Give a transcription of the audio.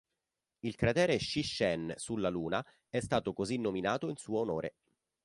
Il cratere Shi Shen sulla Luna è stato così nominato in suo onore.